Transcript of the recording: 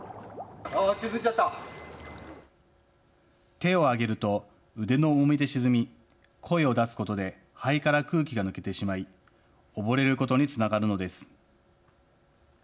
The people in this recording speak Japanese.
手を上げると腕の重みで沈み、声を出すことで肺から空気が抜けてしまい溺れることにつながるのです。